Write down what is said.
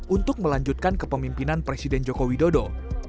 untuk melanjutkan kepemimpinan presiden joko widodo